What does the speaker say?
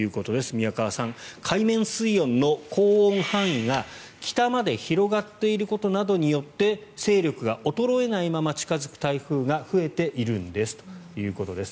宮川さん、海面水温の高温範囲が北まで広がっていることなどによって勢力が衰えないまま近付く台風が増えているんですということです。